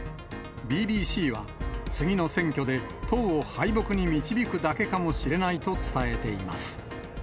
ＢＢＣは、次の選挙で、党を敗北に導くだけかもしれないと伝えています。